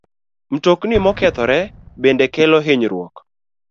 Mtokni mokethore bende kelo hinyruok.